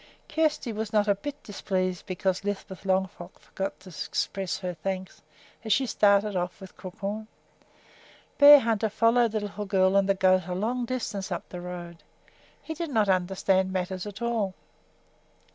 Kjersti was not a bit displeased because Lisbeth Longfrock forgot to express her thanks as she started off with Crookhorn. Bearhunter followed the little girl and the goat a long distance up the road. He did not understand matters at all!